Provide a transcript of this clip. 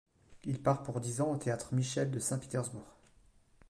Il part, pour dix ans, au Théâtre Michel de Saint-Pétersbourg.